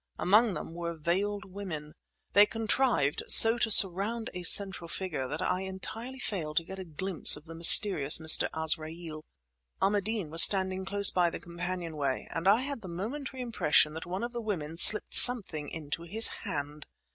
Among them were veiled women. They contrived so to surround a central figure that I entirely failed to get a glimpse of the mysterious Mr. Azraeel. Ahmadeen was standing close by the companion way, and I had a momentary impression that one of the women slipped something into his hand.